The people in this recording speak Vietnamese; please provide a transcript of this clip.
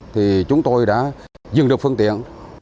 thì chúng tôi đã dừng được phương tiện